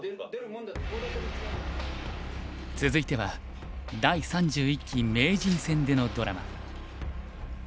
続いては第３１期名人戦でのドラマ。